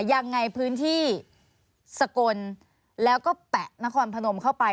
ยังไงพื้นที่สกลแล้วก็แปะนครพนมเข้าไป